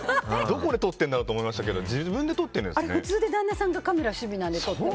どこで撮ってるんだろうと思いましたけど自分なんですね。